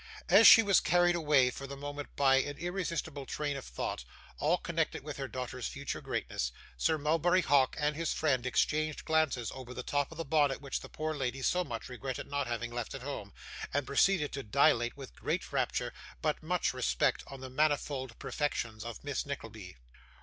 As she was carried away for the moment by an irresistible train of thought, all connected with her daughter's future greatness, Sir Mulberry Hawk and his friend exchanged glances over the top of the bonnet which the poor lady so much regretted not having left at home, and proceeded to dilate with great rapture, but much respect on the manifold perfections of Miss Nickleby.